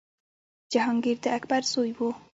جهانګیر د اکبر زوی و.